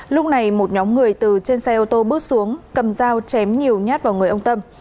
lúc này một nhóm người từ trên xe ô tô bước xuống cầm dao chém nhiều nhát vào người ông tâm